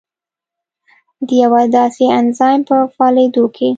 د یوه داسې انزایم په فعالېدو کې